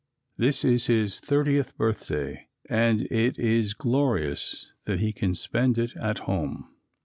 This is his thirtieth birthday and it is glorious that he can spend it at home.